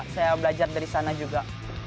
saya belajar dari sana juga